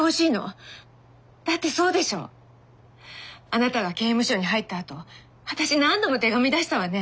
だってそうでしょあなたが刑務所に入ったあと私何度も手紙出したわね。